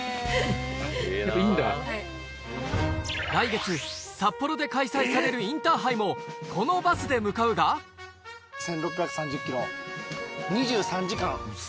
来月札幌で開催されるインターハイもこのバスで向かうが愛情。